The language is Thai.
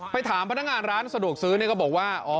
ถามพนักงานร้านสะดวกซื้อก็บอกว่า